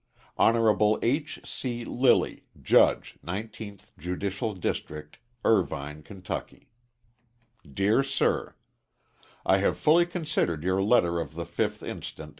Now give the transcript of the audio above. _ Hon. H. C. Lilly, Judge 19th Judicial District, Irvine, Kentucky. Dear Sir: I have fully considered your letter of the fifth inst.